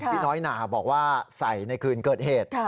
พี่น้อยหนาบอกว่าใส่ในคืนเกิดเหตุ